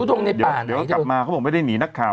เดี๋ยวกลับมาเขาบอกไม่ได้หนีนักข่าว